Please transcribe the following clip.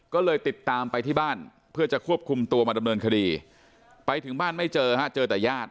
ก็เลยติดตามไปที่บ้านเพื่อจะควบคุมตัวมาดำเนินคดีไปถึงบ้านไม่เจอฮะเจอแต่ญาติ